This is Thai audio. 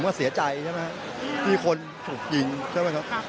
ก็เสียใจใช่ไหมครับที่คนถูกยิงใช่ไหมครับ